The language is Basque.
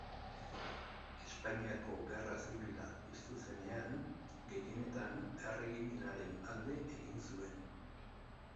Espainiako Gerra Zibila piztu zenean, gehienetan erregimenaren alde egin zuen.